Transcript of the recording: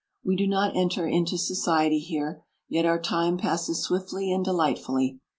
We do not enter into society here, yet our time passes swiftly and delight fully.